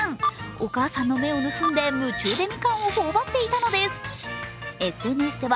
お母さんの目を盗んで夢中でみかんをほおばっていたのです。